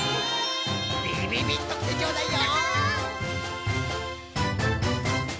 びびびっときてちょうだいよ。